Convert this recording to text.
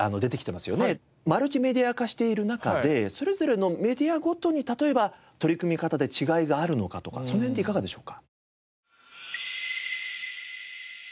マルチメディア化している中でそれぞれのメディアごとに例えば取り組み方で違いがあるのかとかその辺っていかがでしょうか？